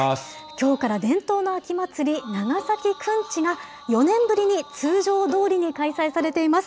きょうから伝統の秋祭り、長崎くんちが４年ぶりに通常どおりに開催されています。